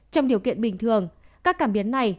trong điều kiện bình thường các cảm biến này